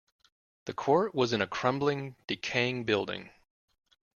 The court was in a crumbling, decaying building.